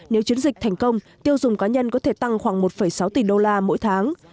nếu chiến dịch thành công tiêu dùng cá nhân có thể tăng khoảng một sáu tỷ đô la mỗi tháng